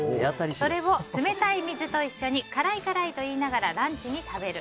それを冷たい水と一緒に辛い辛いと言いながらランチに食べる。